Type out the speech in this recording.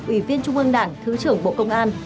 ủy viên trung ương đảng thứ trưởng bộ công an